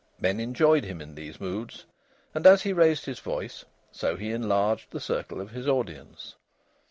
Men enjoyed him in these moods; and as he raised his voice, so he enlarged the circle of his audience.